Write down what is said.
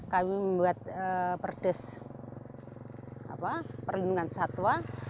kami membuat perdes perlindungan satwa